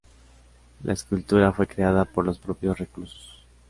La escultura fue creada por los propios reclusos.